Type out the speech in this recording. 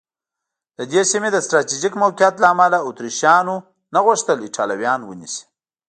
د دې سیمې د سټراټېژیک موقعیت له امله اتریشیانو نه غوښتل ایټالویان ونیسي.